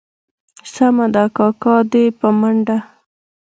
سمه ده کاکا دا دي په منډه.